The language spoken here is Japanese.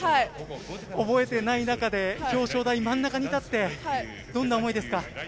覚えてない中で、表彰台、真ん中に立って、どんな思いですか。